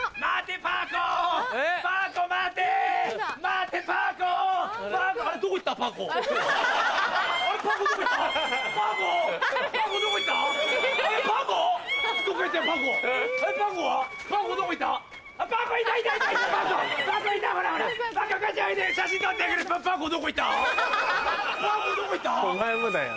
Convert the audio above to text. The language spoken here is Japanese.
パー子どこ行った？